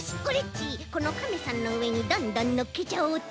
ちこのカメさんのうえにどんどんのっけちゃおうっと。